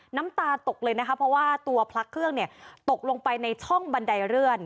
น้ำตาตกเลยนะคะเพราะว่าตัวพลักเครื่องตกลงไปในช่องบันไดเลื่อน